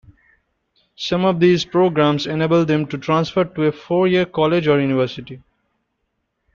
Some of these programs enable them to transfer to a four-year college or university.